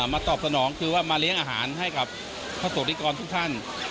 ตอบสนองคือว่ามาเลี้ยงอาหารให้กับประสบนิกรทุกท่าน